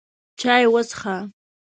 چای وڅښه!